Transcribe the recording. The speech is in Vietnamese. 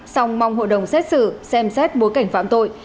song mong hội đồng xét xử xem xét bối cảnh phạm tội